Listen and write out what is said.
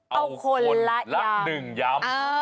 เอาคนละ๑ย้ำ